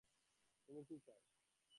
তুমি কী চাও।